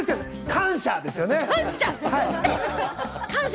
感謝ですよね。感謝？